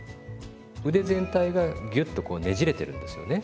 腕全体がギュッとこうねじれてるんですよね。